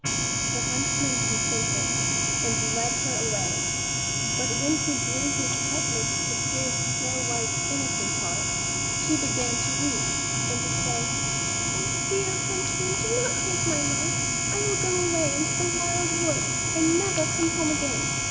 The huntsman consented, and led her away; but when he drew his cutlass to pierce Snow white's innocent heart, she began to weep, and to say, "Oh, dear huntsman, do not take my life; I will go away into the wild wood, and never come home again."